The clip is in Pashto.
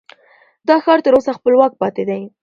دا ښار تر اوسه خپلواک پاتې دی.